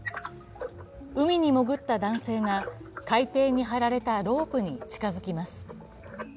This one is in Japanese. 海に潜った男性が海底に張られたロープに近づきます。